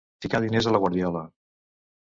Ficar diners a la guardiola.